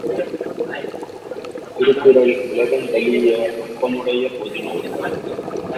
திருக்குறள் உலகந்தழீஇய ஒப்பமுடைய பொது நூல்!